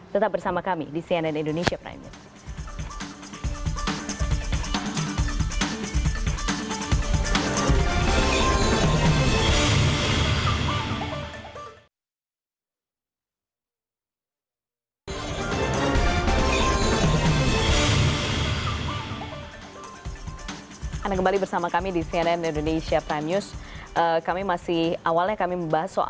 kita bersama kami di cnn indonesia prime news